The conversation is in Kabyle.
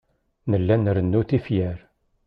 Nella nrennu tifyar.